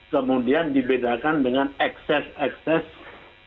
kemudian dibedakan dengan ekses ekses yang diperlukan